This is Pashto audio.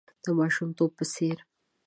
د ماشومتوب په څېر .